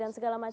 dan segala macam